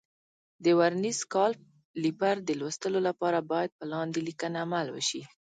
د ورنیز کالیپر د لوستلو لپاره باید په لاندې لیکنه عمل وشي.